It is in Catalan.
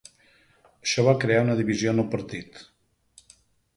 Això va crear una divisió en el partit.